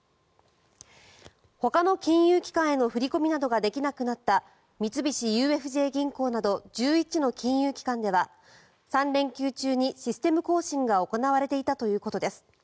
ほかの金融機関への振り込みなどができなくなった三菱ＵＦＪ銀行など１１の金融機関では３連休中にシステム更新が行われていたということです。